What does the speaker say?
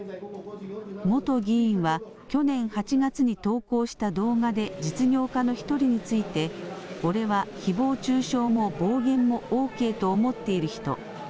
元議員は、去年８月に投稿した動画で実業家の１人について、俺はひぼう中傷も暴言もＯＫと思っている人。